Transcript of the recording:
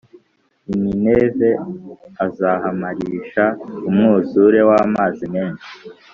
I Nineve azahamarisha umwuzure w’amazi menshi